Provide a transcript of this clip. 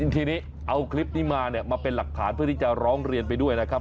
ทีนี้เอาคลิปนี้มาเนี่ยมาเป็นหลักฐานเพื่อที่จะร้องเรียนไปด้วยนะครับ